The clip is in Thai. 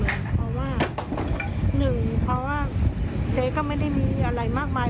เพราะว่าหนึ่งเพราะว่าเจ๊ก็ไม่ได้มีอะไรมากมาย